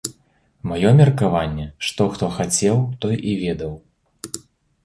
Маё меркаванне, што хто хацеў, той і ведаў.